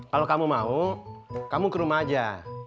kalau kamu mau kamu ke rumah aja